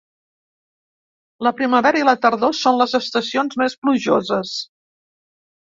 La primavera i la tardor són les estacions més plujoses.